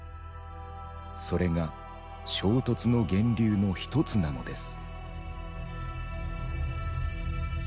それが衝突の源流の一つなのです。